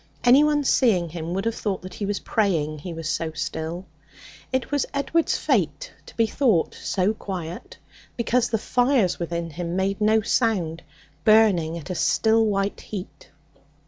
Anyone seeing him would have thought that he was praying; he was so still. It was Edward's fate to be thought 'so quiet,' because the fires within him made no sound, burning at a still white heat.